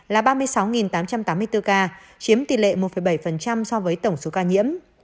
tổng số ca tử vong do covid một mươi chín tại việt nam tính đến nay là ba mươi sáu tám trăm tám mươi bốn ca chiếm tỷ lệ một bảy so với tổng số ca nhiễm